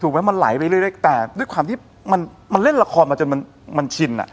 ถูกไหมมันไหลไปเรื่อยเรื่อยแต่ด้วยความที่มันมันเล่นละครมาจนมันมันชินอ่ะ